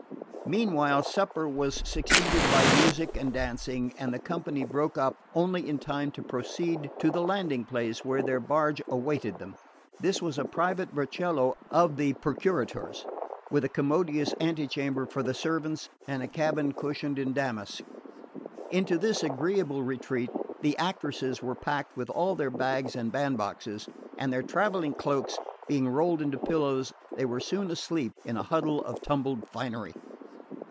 Meanwhile supper was succeeded by music and dancing, and the company broke up only in time to proceed to the landing place where their barge awaited them. This was a private burchiello of the Procuratore's with a commodious antechamber for the servants, and a cabin cushioned in damask. Into this agreeable retreat the actresses were packed with all their bags and band boxes; and their travelling cloaks being rolled into pillows, they were soon asleep in a huddle of tumbled finery.